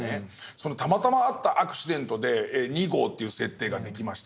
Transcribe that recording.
そのたまたまあったアクシデントで２号っていう設定ができました。